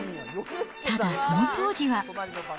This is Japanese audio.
ただ、その当時は。